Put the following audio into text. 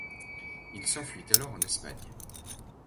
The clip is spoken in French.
Il s'enfuit alors en Espagne.